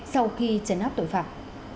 sau khi chấn hấp tội phạm